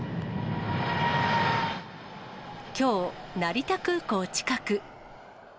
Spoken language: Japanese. きょう、成田空港近く。